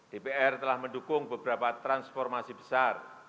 dpr telah mendukung beberapa transformasi besar